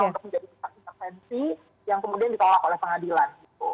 untuk menjadi pusat intervensi yang kemudian ditolak oleh pengadilan